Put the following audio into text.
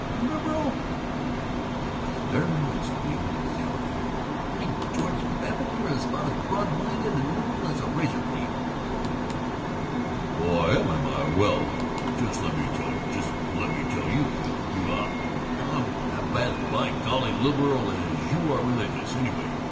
Liberal?" It was very much the old Zilla. "Why, George Babbitt, you're about as broad minded and liberal as a razor blade!" "Oh, I am, am I! Well, just let me tell you, just let me tell you, I'm as by golly liberal as you are religious, anyway!